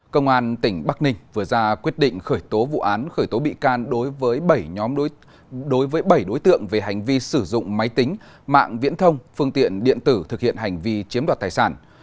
công an tỉnh bắc ninh vừa ra quyết định khởi tố vụ án khởi tố bị can đối với bảy đối tượng về hành vi sử dụng máy tính mạng viễn thông phương tiện điện tử thực hiện hành vi chiếm đoạt tài sản